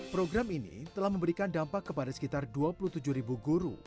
program ini telah memberikan dampak kepada sekitar dua puluh tujuh ribu guru